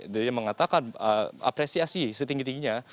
dia mengatakan apresiasi setinggi tingginya